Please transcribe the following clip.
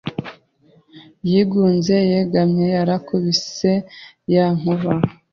Yigunze yegamye Yarakubise ya nkuba